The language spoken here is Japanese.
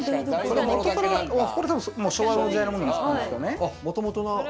これも昭和の時代のものなんですけどね。